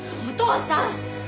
お父さん！